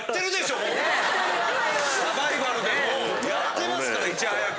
もうやってますからいち早く。